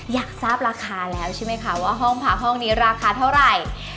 อยากทราบราคาแล้วใช่ไหมคะว่าห้องพักห้องนี้ราคาเท่าไหร่